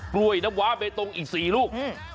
กล้วยน้ำว้าเบตงอีก๔ลูก